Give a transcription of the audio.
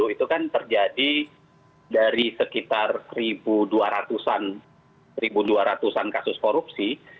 itu kan terjadi dari sekitar satu dua ratus an kasus korupsi